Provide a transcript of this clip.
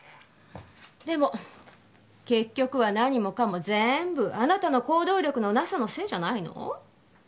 でも結局は何もかも全部あなたの行動力のなさのせいじゃないの？